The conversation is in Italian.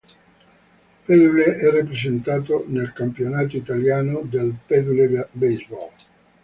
Padule è rappresentato nel campionato italiano dal Padule Baseball.